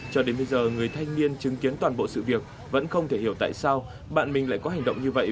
cho đến bây giờ người thanh niên chứng kiến toàn bộ sự việc vẫn không thể hiểu tại sao bạn mình lại có hành động như vậy